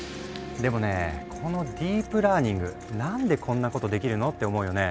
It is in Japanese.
でもねこのディープラーニング何でこんなことできるの？って思うよね。